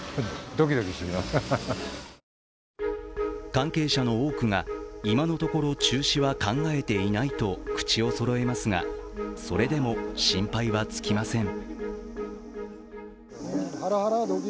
関係者の多くが、今のところ中止は考えていないと口をそろえますが、それでも心配は尽きません。